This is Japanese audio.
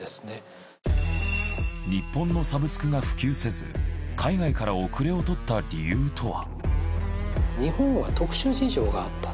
日本のサブスクが普及せず海外から遅れをとった理由とは。